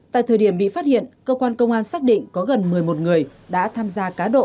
tại thời điểm bị phát hiện cơ quan công an xác định có gần một mươi một người đã tham gia cá độ